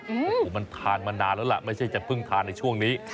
โอ้โหมันทานมานานแล้วล่ะไม่ใช่จะเพิ่งทานในช่วงนี้